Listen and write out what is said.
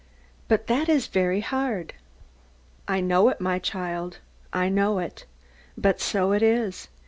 But that is very hard. I know it, my child, I know it. But so it is.